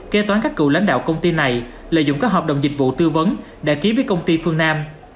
kế toán các cựu lãnh đạo công ty này lợi dụng các hợp đồng dịch vụ tư vấn đã ký với công ty phương nam